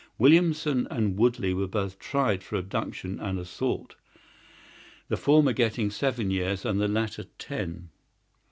Williamson and Woodley were both tried for abduction and assault, the former getting seven years and the latter ten.